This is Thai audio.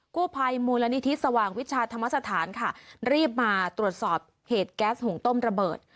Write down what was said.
กู้ภัยมูลนิธิสว่างวิชาธรรมสถานค่ะรีบมาตรวจสอบเหตุแก๊สหุงต้มระเบิด